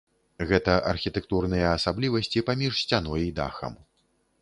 Гэта архітэктурныя асаблівасці паміж сцяной і дахам.